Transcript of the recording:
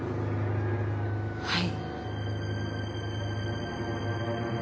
はい。